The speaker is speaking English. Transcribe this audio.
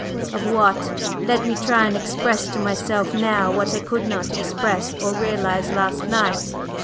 "Of what? Let me try and express to myself now what I could not express or realize last night.